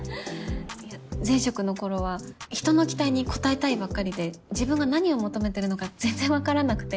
いや前職の頃は人の期待に応えたいばっかりで自分が何を求めてるのか全然わからなくて。